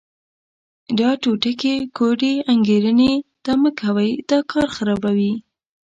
دا ټوټکې، کوډې، انګېرنې دا مه کوئ، دا کار خرابوي.